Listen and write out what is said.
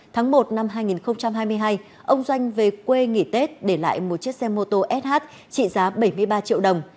tháng một năm hai nghìn hai mươi hai ông doanh về quê nghỉ tết để lại một chiếc xe mô tô sh trị giá bảy mươi ba triệu đồng